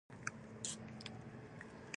هغه ساده سړي یې په خبرو باور نه وای کړی.